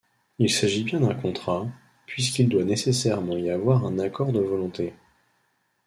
Il s'agit bien d'un contrat, puisqu'il doit nécessairement y avoir un accord de volontés.